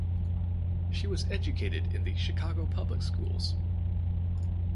She was educated in the Chicago Public Schools.